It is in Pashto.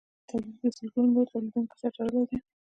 هغه په تولید کې له سلګونو نورو تولیدونکو سره تړلی دی